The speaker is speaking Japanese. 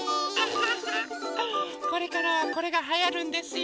これからはこれがはやるんですよ。